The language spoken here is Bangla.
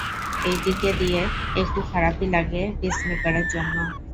এই দিক দিয়ে একটু খারাপই লাগে পিসমেকারের জন্য।